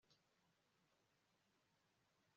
nabo bamaze kugera kure